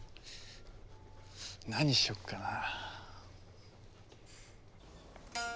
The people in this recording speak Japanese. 何しよっかなあ。